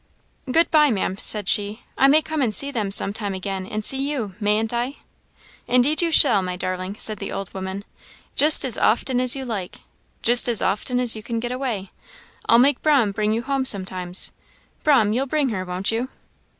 "Good bye, Maam," said she; "I may come and see them some time again, and see you, mayn't I?" "Indeed you shall, my darling," said the old woman; "just as often as you like just as often as you can get away. I'll make 'Brahm bring you home, sometimes. 'Brahm, you'll bring her, won't you?"